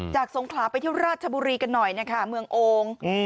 สงขลาไปเที่ยวราชบุรีกันหน่อยนะคะเมืองโอ่ง